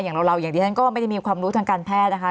อย่างเราอย่างที่ฉันก็ไม่ได้มีความรู้ทางการแพทย์นะคะ